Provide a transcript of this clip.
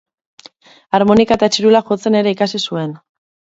Harmonika eta txirula jotzen ere ikasi zuen.